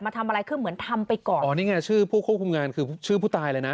ทำอะไรคือเหมือนทำไปก่อนอ๋อนี่ไงชื่อผู้ควบคุมงานคือชื่อผู้ตายเลยนะ